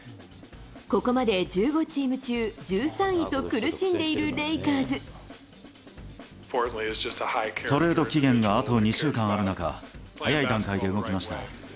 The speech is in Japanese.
ここまで１５チーム中１３位トレード期限があと２週間ある中、早い段階で動きました。